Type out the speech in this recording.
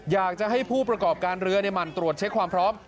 อยากจะให้ผู้ประกอบการเรือหมั่นตรวจเช็คความพร้อม